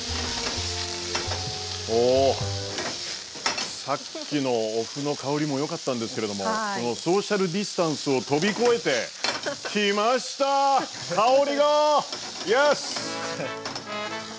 おさっきのお麩の香りもよかったんですけれどもこのソーシャルディスタンスを飛び越えて来ました香りがイエス！